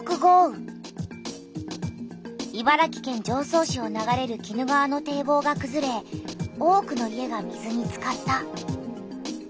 茨城県常総市を流れる鬼怒川の堤防がくずれ多くの家が水につかった。